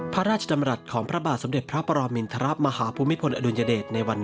พระราชดำรัฐของพระบาทสำเด็จพระอบรอมมิลธรรมมหาภูมิพลอดุลยเดชในวันนั้น